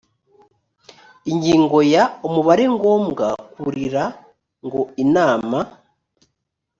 ingingo ya umubare ngombwa kurira ngo inama